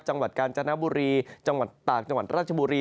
จังหวัดกาญจนบุรีจังหวัดตากจังหวัดราชบุรี